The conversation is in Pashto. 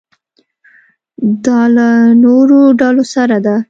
دا له نورو ډلو سره ده.